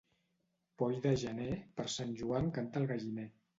Poll de gener, per Sant Joan canta al galliner.